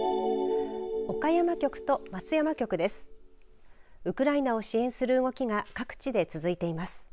岡山局と松山局です。